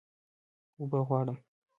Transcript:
اوبه غواړم